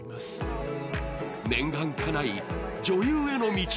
念願かない女優への道